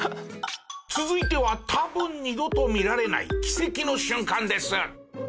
続いては多分二度と見られない奇跡の瞬間です。